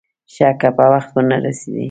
ښه که په وخت ونه رسېدې.